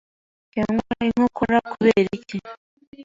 cyangwa inkokora kubera iki,